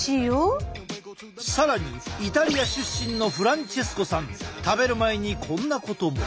更にイタリア出身のフランチェスコさん食べる前にこんなことも。